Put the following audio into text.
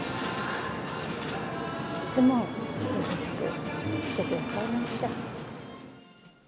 いつも優しくしてくださいました。